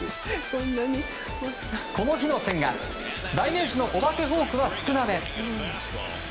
この日の千賀、代名詞のお化けフォークは少なめ。